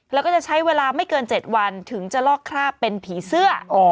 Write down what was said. แล้วก็จะใช้เวลาไม่เกิน๗วันถึงจะลอกคราบเป็นผีเสื้อ